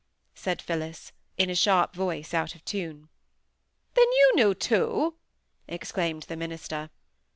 said Phillis, in a sharp voice, out of tune. "Then you knew too!" exclaimed the minister.